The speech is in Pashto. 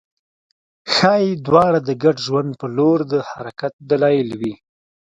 ښايي دواړه د ګډ ژوند په لور د حرکت دلایل وي